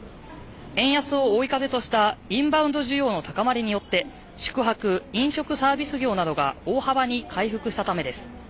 円安を追い風としたインバウンド需要の高まりによって、宿泊飲食サービス業などが大幅に回復したためです。